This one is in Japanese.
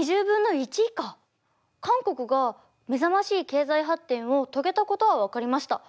韓国が目覚ましい経済発展を遂げたことは分かりました。